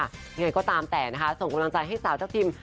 ยังไงก็ตามแต่นะคะส่งกำลังใจให้สาวเจ้าพิม